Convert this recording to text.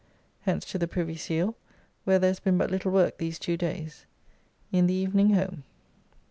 Hence to the Privy Seal, where there has been but little work these two days. In the evening home.